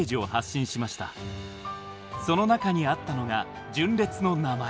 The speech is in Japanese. その中にあったのが純烈の名前。